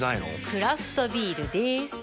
クラフトビールでーす。